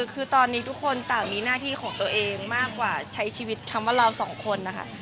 คือตอนนี้ทุกคนต่างมีหน้าที่ของตัวเองมากกว่าใช้ชีวิตคำว่าเราสองคนนะคะ